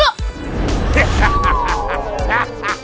oh sekarang aku lepasin